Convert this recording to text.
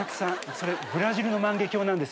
それブラジルの万華鏡なんです。